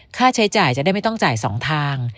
ค่าใช้จ่ายจะได้ไม่ต้องจ่าย๒ทาง